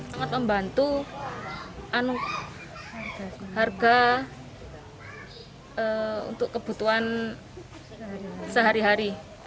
sangat membantu harga untuk kebutuhan sehari hari